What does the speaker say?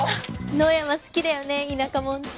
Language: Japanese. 野山好きだよね田舎者って。